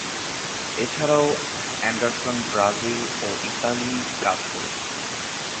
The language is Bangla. এছাড়াও অ্যান্ডারসন ব্রাজিল ও ইতালিতে কাজ করেছেন।